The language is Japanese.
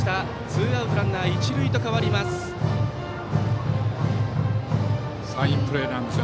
ツーアウトランナー、一塁と変わります。